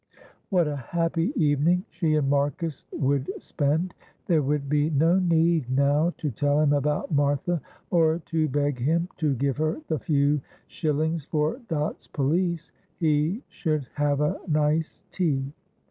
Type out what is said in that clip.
What a happy evening she and Marcus would spend! There would be no need now to tell him about Martha, or to beg him to give her the few shillings for Dot's pelisse; he should have a nice tea.